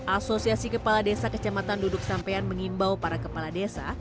asosiasi kepala desa kecamatan duduk sampean mengimbau para kepala desa